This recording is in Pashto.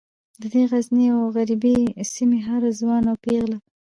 د دې غرنۍ او غریبې سیمې هر ځوان او پیغله